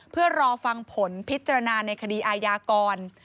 เพื่อรอฟังผลพิจารณาในคดีอาญากร